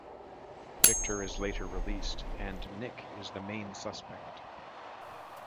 Victor is later released and Nick is the main suspect.